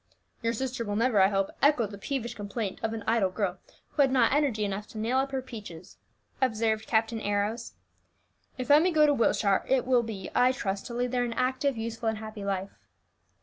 "Your sister will never, I hope, echo the peevish complaint of an idle girl, who had not energy enough to nail up her peaches," observed Captain Arrows. "If Emmie go to Wiltshire, it will be, I trust, to lead there an active, useful, and happy life."